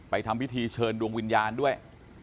ทำพิธีเชิญดวงวิญญาณด้วย